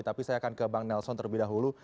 tapi saya akan ke bang nelson terlebih dahulu